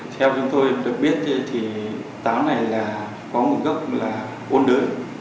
theo chúng tôi được biết thì táo này là có một gốc là ôn đới